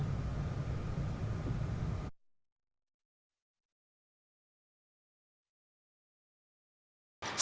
dự án cấp bách